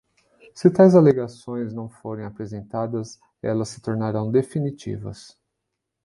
Se tais alegações não forem apresentadas, elas se tornarão definitivas.